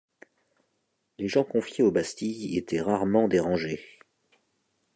Les gens confiés aux bastilles y étaient rarement dérangés.